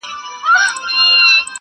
په منډه ولاړه ویل ابتر یې!